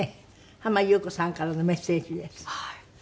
浜木綿子さんからのメッセージです。